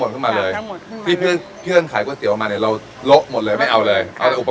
ครับผมเพื่อนเขาขายแบบของพวกวงจรเลยนะคะเพื่อนขายอะไรป่ะ